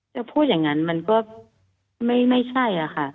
พูดอย่างนั้นมันก็ไม่ใช่อะค่ะ